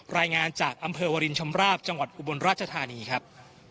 รายงานจากอำเภอวรินชำราบจังหวัดอุบลราชธานีครับ